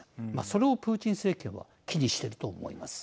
それをプーチン政権は気にしていると思います。